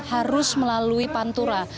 terus melalui pantura